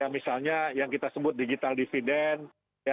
misalnya yang kita sebut digital dividend